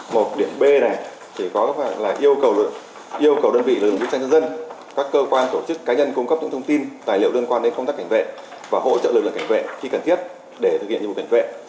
một điểm b này chỉ có là yêu cầu đơn vị lực lượng vũ trang cho dân các cơ quan tổ chức cá nhân cung cấp những thông tin tài liệu liên quan đến công tác cảnh vệ và hỗ trợ lực lượng cảnh vệ khi cần thiết để thực hiện nhiệm vụ cảnh vệ